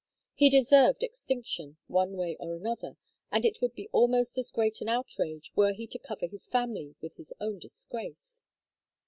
He deserved extinction, one way or another, and it would be almost as great an outrage were he to cover his family with his own disgrace.